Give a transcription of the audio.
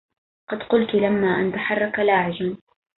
قد قلت لما أن تحرك لاعج